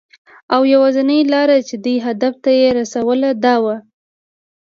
او یوازېنۍ لاره چې دې هدف ته یې رسوله، دا وه .